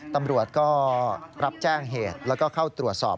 ตำรวจก็รับแจ้งเหตุแล้วก็เข้าตรวจสอบ